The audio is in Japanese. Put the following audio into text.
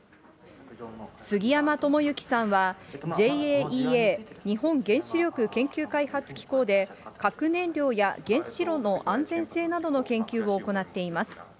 杉山智之さんは、ＪＡＥＡ・日本原子力研究開発機構で、核燃料や原子炉の安全性などの研究を行っています。